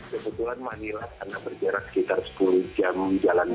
kebetulan manila karena berjarak sekitar sepuluh jam jalanan